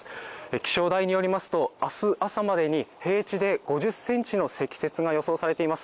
気象台によりますと、明日朝までに平地で５０ｃｍの積雪が予想されています。